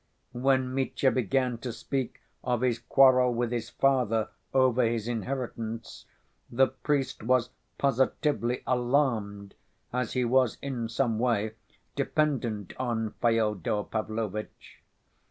When Mitya began to speak of his quarrel with his father over his inheritance, the priest was positively alarmed, as he was in some way dependent on Fyodor Pavlovitch.